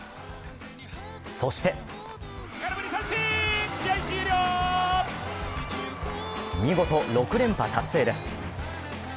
そして見事６連覇達成です。